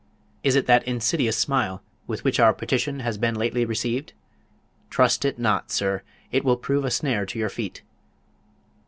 Is it that insidious smile with which our petition has been lately received? Trust it not, sir; it will prove a snare to your feet.